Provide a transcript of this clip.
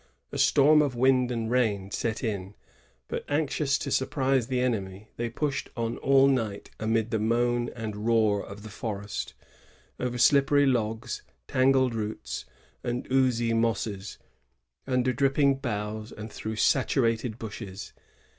A storm of wind and rain set in; but, anxious to surprise the enemy, they pushed on all night amid the moan and roar of the forest, — over slippery logs, tangled roots, and oozy mosses, under dripping boughs and through saturated bushes.